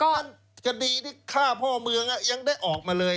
นั่นคดีที่ฆ่าพ่อเมืองยังได้ออกมาเลย